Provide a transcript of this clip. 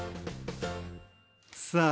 さあ